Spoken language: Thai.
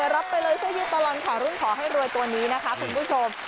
รับไปเลยเสื้อยืดตลอดข่าวรุ่งขอให้รวยตัวนี้นะคะคุณผู้ชม